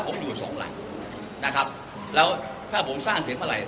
ผมอยู่สองหลังนะครับแล้วถ้าผมสร้างเสร็จเมื่อไหร่